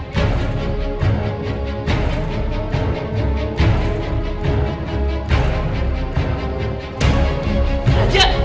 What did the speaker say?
kamu ngapain sama aku raja